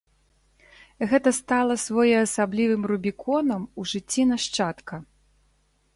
Гэта стала своеасаблівым рубіконам у жыцці нашчадка.